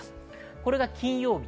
これが金曜日。